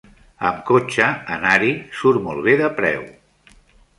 Amb cotxe, anar-hi surt molt bé de preu.